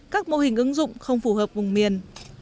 các mô hình ứng dụng không phù hợp vùng miền